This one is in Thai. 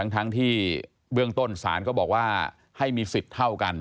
ทั้งที่เบื้องต้นศาลก็บอกว่าให้มีสิทธิ์เท่ากัน